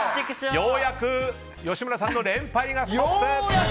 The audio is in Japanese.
ようやく吉村さんの連敗がストップ。